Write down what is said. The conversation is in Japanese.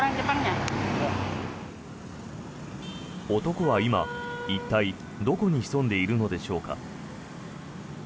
男は今、一体どこに潜んでいるのでしょうか。